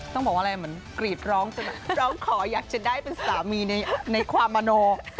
ต้องบอกว่าอะไรเหมือนกรีดร้องจนแบบร้องขออยากจะได้เป็นสามีในความมโน